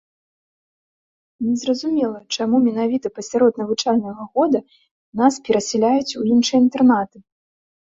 Незразумела, чаму менавіта пасярод навучальнага года нас перасяляюць у іншыя інтэрнаты.